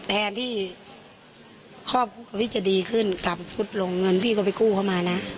แทนที่ครอบครัวพี่จะดีขึ้นกลับสกุตลงเงินพี่ก็ไปกู้เข้ามานะ